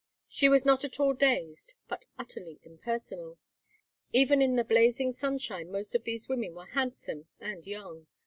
She was not at all dazed, but utterly impersonal. Even in the blazing sunshine most of these women were handsome, and young.